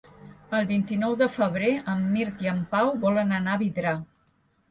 El vint-i-nou de febrer en Mirt i en Pau volen anar a Vidrà.